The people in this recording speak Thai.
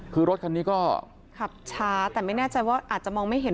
คือรถคันนี้ก็ขับช้าแต่ไม่แน่ใจว่าอาจจะมองไม่เห็น